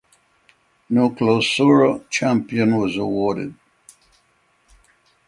No Clausura champion was awarded.